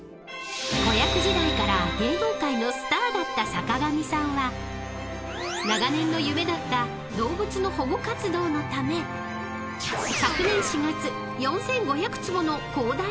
［子役時代から芸能界のスターだった坂上さんは長年の夢だった動物の保護活動のため昨年４月４，５００坪の広大な土地を購入］